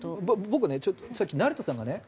僕ねちょっとさっき成田さんがね